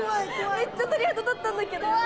めっちゃ鳥肌立ったんだけど。